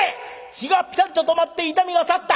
血がピタリと止まって痛みが去った。